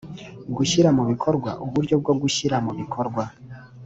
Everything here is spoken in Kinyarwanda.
Gushyira mu bikorwa uburyo bwo gushyira nu bikorwa